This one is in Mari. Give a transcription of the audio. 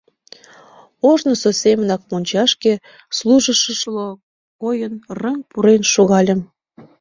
Ожнысо семынак мончашке, служышыла койын, рыҥ пурен шогальым.